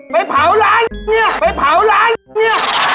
ไปเผาร้านเนี่ยไปเผาร้านเนี่ย